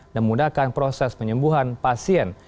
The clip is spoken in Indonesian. dan memudahkan proses penyembuhan pasien